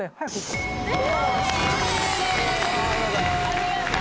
ありがとう！